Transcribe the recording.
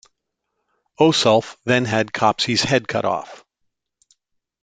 Osulf then had Copsi's head cut off.